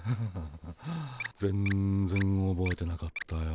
全然おぼえてなかったよ。